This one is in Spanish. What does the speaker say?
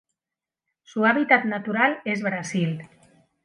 Su hábitat natural es Brasil.